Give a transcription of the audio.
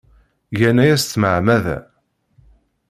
Gan aya s tmeɛmada.